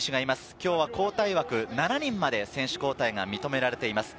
今日は交代枠が７人まで選手交代が認められています。